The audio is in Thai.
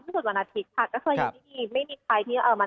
ก็คือไม่มีใครที่เอามา